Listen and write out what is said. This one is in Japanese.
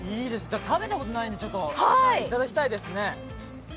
食べたことないので、ちょっといただきたいですね。